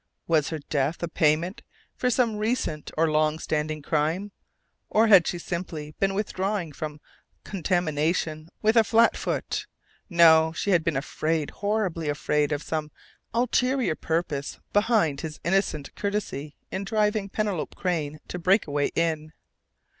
Was her death a payment for some recent or long standing crime? Or had she simply been withdrawing from contamination with a "flat foot"?... No! She had been afraid horribly afraid of some ulterior purpose behind his innocent courtesy in driving Penelope Crain to Breakaway Inn.